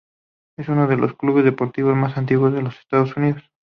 Es uno de los clubes deportivos más antiguos de los Estados Unidos.